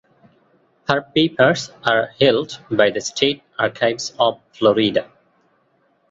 Her papers are held by the State Archives of Florida.